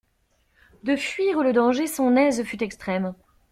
De fuir le danger son aise fut extrême.